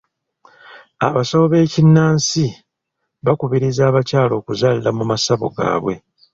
Abasawo b'ekinnansi bakubirizza abakyala okuzaalira mu masabo gaabwe.